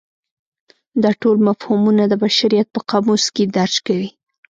دا ټول مفهومونه د بشریت په قاموس کې درج کوي.